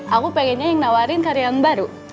aku pengennya yang nawarin karyawan baru